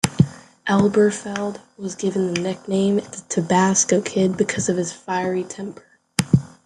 Elberfeld was given the nickname "The Tabasco Kid" because of his fiery temper.